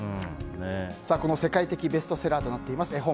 この世界的ベストセラーとなっている絵本